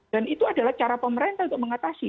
dan itu adalah cara pemerintah untuk mengatasi